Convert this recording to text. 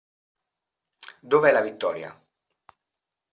Dov'è la Vittoria.